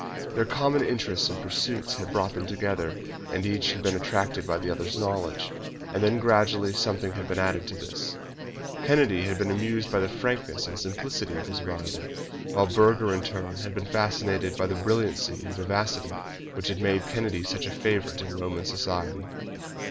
Their common interests and pursuits had brought them together, and each had been attracted by the other's knowledge. And then gradually something had been added to this. Kennedy had been amused by the frankness and simplicity of his rival, while Burger in turn had been fascinated by the brilliancy and vivacity which had made Kennedy such a favourite in Roman society.